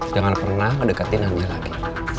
jangan pernah ngedekatin anaknya lagi